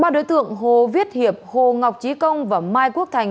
ba đối tượng hồ viết hiệp hồ ngọc trí công và mai quốc thành